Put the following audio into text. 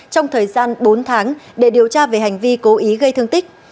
trong thời gian bốn tháng để điều tra về hành vi cố ý gây thương tích